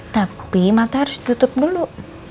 tapi mata harus tutup dulu